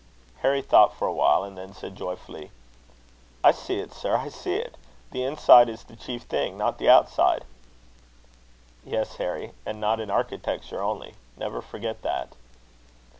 Harry thought for a while, and then said joyfully: "I see it, sir! I see it. The inside is the chief thing not the outside." "Yes, Harry; and not in architecture only. Never forget that."